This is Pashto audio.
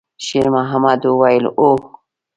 شېرمحمد وویل: «هو.»